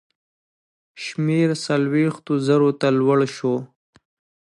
شمېر څلوېښتو زرو ته لوړ شو.